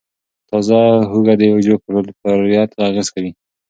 تازه هوږه د حجرو پر فعالیت اغېز کوي.